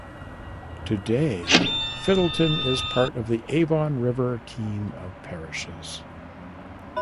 Today Fittleton is part of the Avon River Team of parishes.